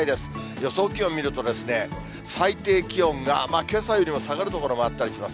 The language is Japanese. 予想気温見ると、最低気温がけさよりも下がる所もあったりします。